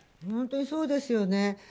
本当にそうですよね。